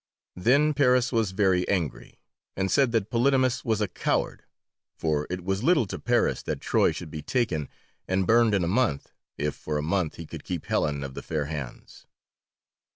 Then Paris was very angry, and said that Polydamas was a coward, for it was little to Paris that Troy should be taken and burned in a month if for a month he could keep Helen of the fair hands.